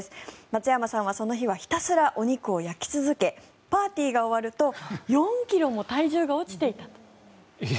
松山さんはその日はひたすらお肉を焼き続けパーティーが終わると４ｋｇも体重が落ちていたと。